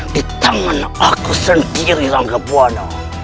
di tangan aku sendiri ranggabwana